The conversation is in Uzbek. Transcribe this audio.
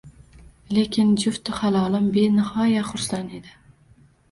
Lekin jufti halolim benihoya xursand edi